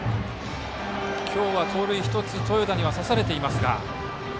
今日は盗塁１つ豊田には刺されていますが。